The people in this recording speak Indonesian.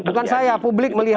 bukan saya publik melihat